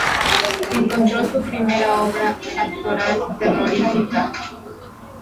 Encontró su primera obra actoral "terrorífica".